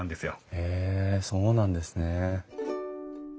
へえそうなんですね。